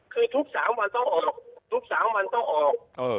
คือทุก๓วันต้องออกทุก๓วันต้องออก